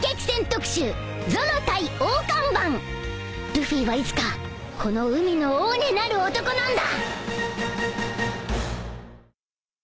ルフィはいつかこの海の王になる男なんだ！